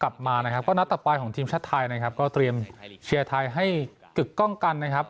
กลับมานะครับก็นัดต่อไปของทีมชาติไทยนะครับก็เตรียมเชียร์ไทยให้กึกกล้องกันนะครับ